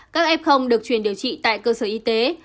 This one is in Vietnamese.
các f được truyền điều trị tại cơ sở y tế